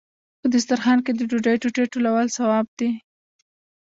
په دسترخان کې د ډوډۍ ټوټې ټولول ثواب دی.